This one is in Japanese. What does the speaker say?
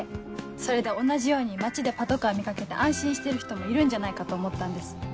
それで同じように町でパトカー見掛けて安心してる人もいるんじゃないかと思ったんです。